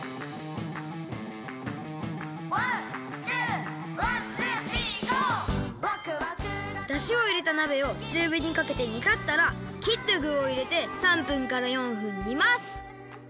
「ワンツーワンツースリーＧＯ！」だしをいれたなべをちゅうびにかけてにたったらきったぐをいれて３分から４分にます！